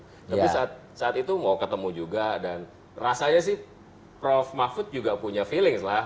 tapi saat itu mau ketemu juga dan rasanya sih prof mahfud juga punya feeling lah